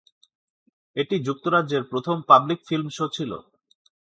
এটি যুক্তরাজ্যের প্রথম পাবলিক ফিল্ম শো ছিল।